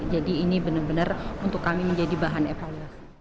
jadi ini benar benar untuk kami menjadi bahan evaluasi